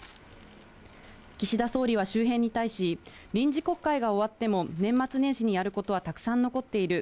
岸田総理は周辺に対し、臨時国会が終わっても、年末年始にやることはたくさん残っている。